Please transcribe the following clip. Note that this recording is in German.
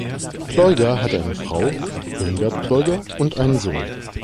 Pleuger hatte eine Frau (Irmgard Pleuger) und einen Sohn.